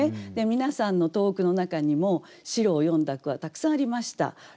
皆さんの投句の中にも「白」を詠んだ句はたくさんありました。